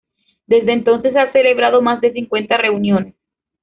Desde entonces, se han celebrado más de cincuenta reuniones.